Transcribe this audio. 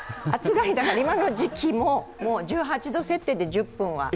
今の時期も、もう１８度設定で１０分は。